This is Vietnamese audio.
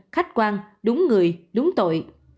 khách quan đúng người đúng tội